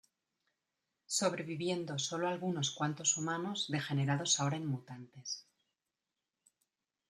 Sobreviviendo sólo algunos cuantos humanos degenerados ahora en mutantes.